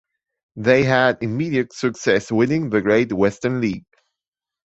They had immediate success winning the Great Western League.